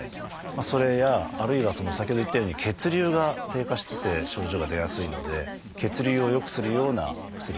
それやあるいは先ほど言ったように血流が低下してて症状が出やすいので血流を良くするような薬